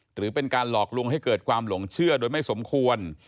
หรือเป็นการหลอกลวงให้เกิดความหลงเชื่อโดยไม่สมควร